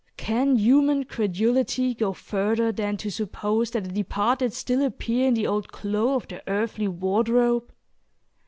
Can human credulity go further than to suppose that the departed still appear in the old clo' of their earthly wardrobe?